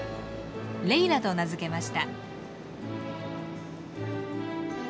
レイラと名付けました。